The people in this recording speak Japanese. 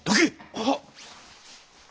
はっ！